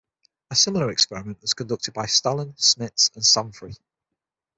A similar experiment was conducted by Stallen, Smidts, and Sanfrey.